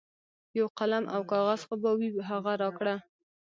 یو قلم او کاغذ خو به وي هغه راکړه.